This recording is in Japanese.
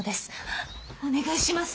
お願いします。